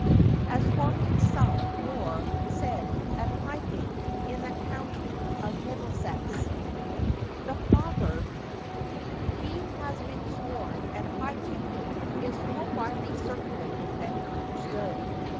As formerly sung or said at Highgate, in the county of Middlesex. [THE proverb, 'He has been sworn at Highgate,' is more widely circulated than understood.